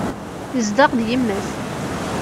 Yezdeɣ d yemma-s.